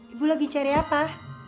ibu lagi cari apa